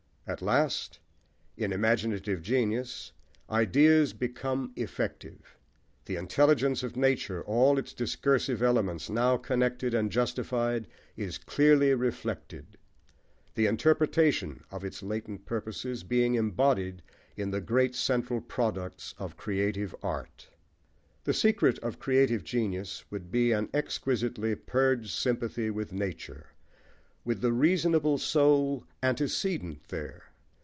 At last, in imaginative genius, ideas become effective: the intelligence of nature, all its discursive elements now connected and justified, is clearly reflected; the interpretation of its latent purposes being embodied in the great central products of creative art. The secret of creative genius would be an exquisitely purged sympathy with nature, with the reasonable soul antecedent there.